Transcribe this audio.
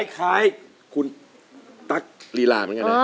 คล้ายคุณตั๊กลีลาเหมือนกันนะ